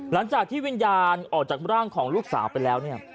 หลังจากที่วิญญาณออกจากร่างของลูกสาวไปแล้วเนี่ย